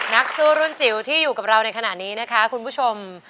นักสู้รุ่นจิ๋วที่อยู่กับเราในขณะนี้นะคะคุณผู้ชม